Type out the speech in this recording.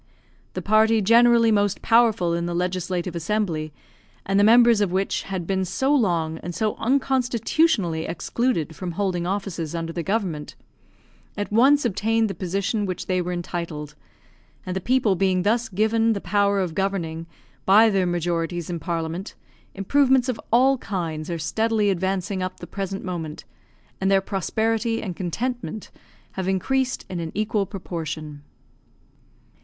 The party generally most powerful in the Legislative Assembly, and the members of which had been so long and so unconstitutionally excluded from holding offices under the government, at once obtained the position which they were entitled, and the people being thus given the power of governing by their majorities in Parliament, improvements of all kinds are steadily advancing up the present moment, and their prosperity and contentment have increased in an equal proportion.